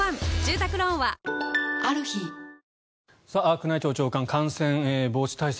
宮内庁長官感染防止対策